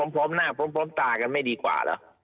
พร้อมหน้าพร้อมตากันไม่ดีกว่าเหรอ